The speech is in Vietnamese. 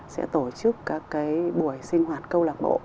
sẽ tổ chức các cái buổi sinh hoạt câu lạc bộ